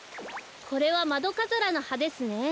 これはマドカズラのはですね。